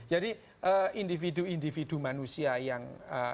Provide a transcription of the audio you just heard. jadi individu individu manusia yang